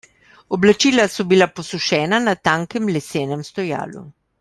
Oblačila so bila posušena na tankem lesenem stojalu.